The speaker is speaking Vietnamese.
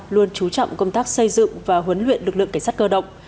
luôn chú trọng công tác xây dựng và huấn luyện lực lượng cảnh sát cơ động